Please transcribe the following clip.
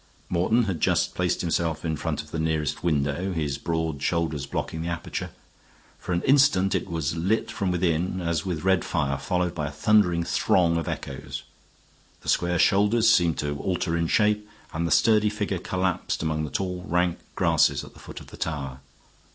Morton had just placed himself in front of the nearest window, his broad shoulders blocking the aperture. For an instant it was lit from within as with red fire, followed by a thundering throng of echoes. The square shoulders seemed to alter in shape, and the sturdy figure collapsed among the tall, rank grasses at the foot of the tower.